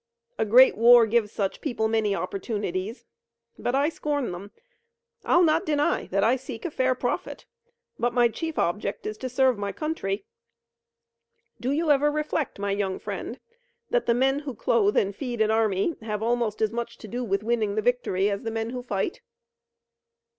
A great war gives such people many opportunities, but I scorn them. I'll not deny that I seek a fair profit, but my chief object is to serve my country. Do you ever reflect, my young friend, that the men who clothe and feed an army have almost as much to do with winning the victory as the men who fight?"